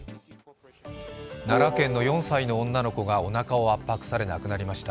奈良県の４歳の女の子がおなかを圧迫され亡くなりました。